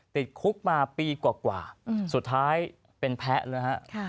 ติดคุกมาปีกว่าสุดท้ายเป็นแพ้เลยฮะ